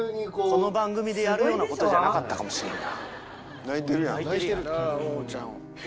この番組でやることじゃなかったかもしれん。